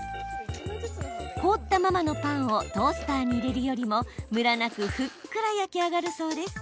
凍ったままのパンをトースターに入れるよりもムラなくふっくら焼き上がるそうです。